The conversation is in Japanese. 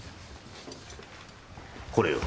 これを。